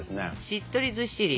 しっとりずっしり？